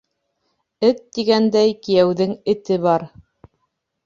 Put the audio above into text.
Эт тигәндәй, кейәүҙең эте бар.